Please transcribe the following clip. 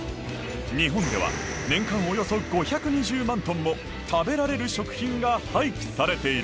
日本では年間およそ５２０万トンも食べられる食品が廃棄されている。